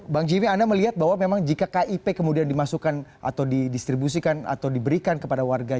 bang jimmy anda melihat bahwa memang jika kip kemudian dimasukkan atau didistribusikan atau diberikan kepada warga